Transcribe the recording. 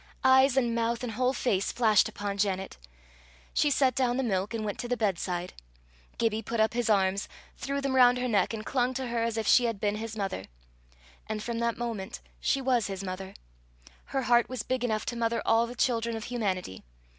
Eyes and mouth and whole face flashed upon Janet! She set down the milk, and went to the bedside. Gibbie put up his arms, threw them round her neck, and clung to her as if she had been his mother. And from that moment she was his mother: her heart was big enough to mother all the children of humanity.